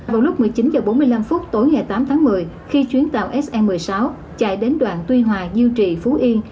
vào lúc một mươi chín h bốn mươi năm tối ngày tám tháng một mươi khi chuyến tàu sn một mươi sáu chạy đến đoàn tuy hòa diêu trì phú yên